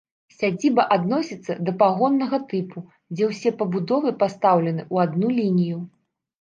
Сядзіба адносіцца да пагоннага тыпу, дзе ўсе пабудовы пастаўлены ў адну лінію.